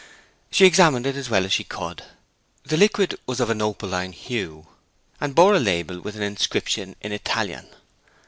She examined it as well as she could. The liquid was of an opaline hue, and bore a label with an inscription in Italian.